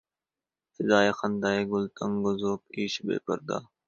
فضائے خندۂ گل تنگ و ذوق عیش بے پردا